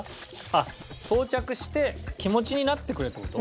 あっ装着して気持ちになってくれって事？